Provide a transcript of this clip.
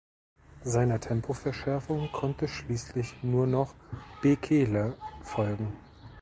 Seiner Tempoverschärfung konnte schließlich nur noch Bekele folgen.